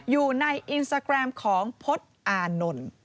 อยู่ในอินสตาแกรมของพจน์อานนท์